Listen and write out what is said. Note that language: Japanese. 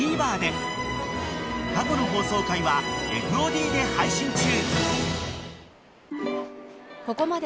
［過去の放送回はＦＯＤで配信中］